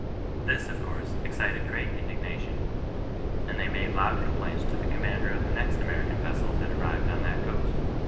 This, of course, excited great indignation, and they made loud complaints to the commander of the next American vessel that arrived on that coast.